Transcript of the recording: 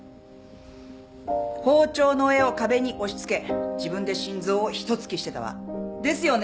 包丁の柄を壁に押し付け自分で心臓を一突きしてたわ。ですよね？